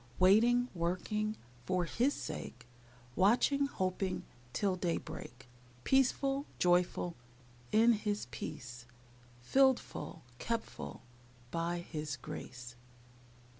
Waiting, working, For His sake; Watching, hoping, Till daybreak. Peaceful, joyful, In His peace; Filled full, kept full, By His grace.